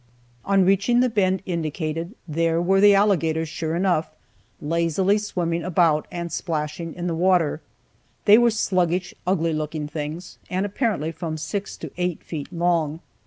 On reaching the bend indicated, there were the alligators, sure enough, lazily swimming about, and splashing in the water. They were sluggish, ugly looking things, and apparently from six to eight feet long.